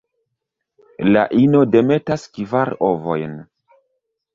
La ino demetas kvar ovojn.